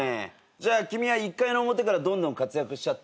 じゃあ君は１回の表からどんどん活躍しちゃって。